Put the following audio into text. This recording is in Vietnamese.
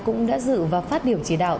cũng đã dự và phát biểu chỉ đạo